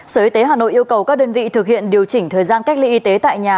sở y tế hà nội yêu cầu các đơn vị thực hiện điều chỉnh thời gian cách ly y tế tại nhà